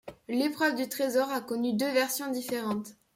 L'épreuve du trésor a connu deux versions différentes.